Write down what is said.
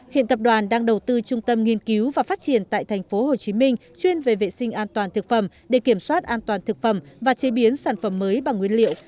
hiện tập đoàn đang đầu tư trung tâm nghiên cứu và phát triển tại tp hcm chuyên về vệ sinh an toàn thực phẩm để kiểm soát an toàn thực phẩm và chế biến sản phẩm mới bằng nguyên liệu